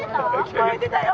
聞こえてたよ。